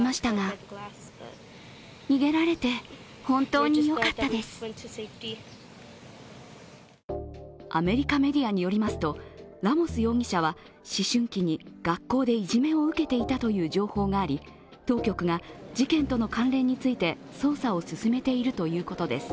その後、生徒たちはアメリカメディアによりますとラモス容疑者は、思春期に学校でいじめを受けていたという情報があり当局が事件との関連について捜査を進めているということです。